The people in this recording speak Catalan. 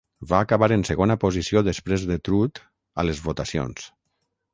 Va acabar en segona posició després de Trout a les votacions.